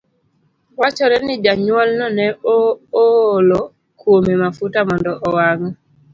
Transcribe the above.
Wachore ni janyuolno ne oolo kuome mafuta mondo owang'e.